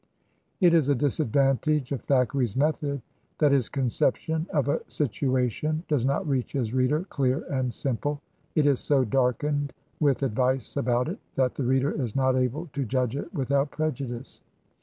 It is a disadvantage of Thackeray's method that his conception of a situation does not reach his reader clear and simple; it is so darkened with advice about it, that the reader is not able to judge it without prejudice.